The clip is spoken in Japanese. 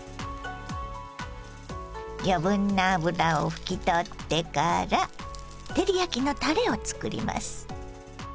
余分な脂を拭き取ってから照り焼きのたれを作ります。